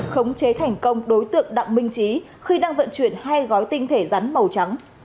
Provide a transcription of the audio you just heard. khống chế thành công đối tượng đặng minh trí khi đang vận chuyển hai gói tinh thể rắn màu trắng